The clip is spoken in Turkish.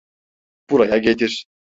Buraya getir.